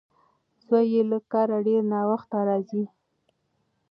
زوی یې له کاره ډېر ناوخته راځي.